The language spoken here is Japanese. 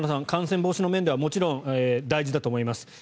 感染防止の面ではもちろん大事だと思います。